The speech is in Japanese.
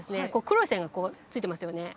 黒い線がこうついてますよね